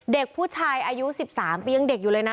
เด็กผู้ชายอายุ๑๓ปียังเด็กอยู่เลยนะ